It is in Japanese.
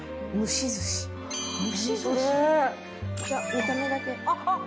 見た目だけ。